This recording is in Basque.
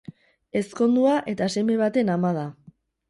Ezkondua eta seme baten ama da.